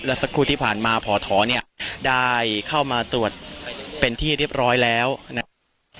สักครู่ที่ผ่านมาพอถอเนี่ยได้เข้ามาตรวจเป็นที่เรียบร้อยแล้วนะครับ